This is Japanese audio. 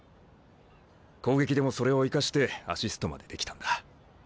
攻撃でもそれを生かしてアシストまでできたんだ。